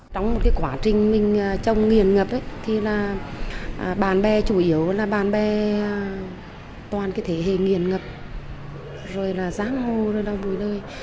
trong một cái quá trình mình trong nghiền ngập ấy thì là bàn bè chủ yếu là bàn bè toàn cái thế hệ nghiền ngập rồi là giám hô đau bùi đơi